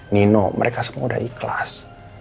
nino mereka semua udah ikhlas